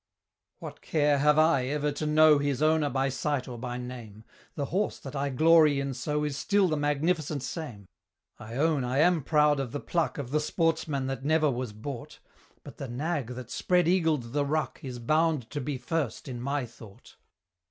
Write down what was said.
What care have I ever to know His owner by sight or by name? The horse that I glory in so Is still the magnificent same. I own I am proud of the pluck Of the sportsman that never was bought; But the nag that spread eagled the ruck Is bound to be first in my thought.